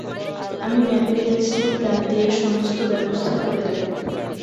আমি ম্যাপে পেনসিলের দাগ দিয়ে সমস্ত ব্যবস্থা করে দেব।